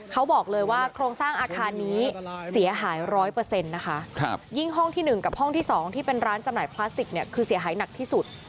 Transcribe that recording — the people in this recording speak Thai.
เขาบอกเลยว่าโครงสร้างอาคารนี้เสียหาย๑๐๐นะคะยิ่งห้องที่๑กับห้องที่๒ที่เป็นร้านจำหน่ายพลาสติกเนี่ยคือเสียหายหนักที่สุด